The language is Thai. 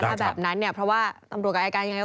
ถ้าแบบนั้นเนี่ยเพราะว่าตำรวจกับอายการยังไง